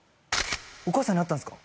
お母さんに会ったんすか？